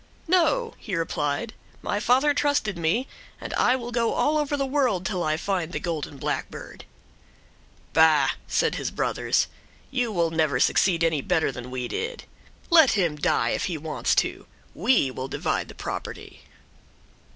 "No," he replied, "my father trusted me, and I will go all over the world till I find the golden blackbird." "Bah," said his brothers, "you will never succeed any better than we did. Let him die if he wants to. We will divide the property."